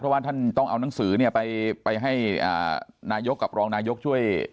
เพราะว่าท่านต้องเอานังสือเนี่ยไปให้นายกกับรองนายกช่วย